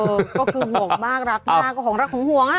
อื้อก็คือห่วงมากรักมากของรักของห่วง